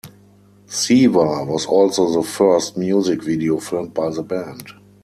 "Siva" was also the first music video filmed by the band.